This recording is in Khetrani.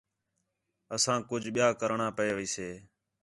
اسانک کُج ٻِیا کرݨاں پئے ویسے